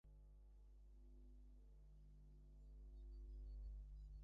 গোপন সংবাদের ভিত্তিতে গতকাল ওই আসর থেকে তাঁকেসহ সাতজনকে আটক করা হয়েছে।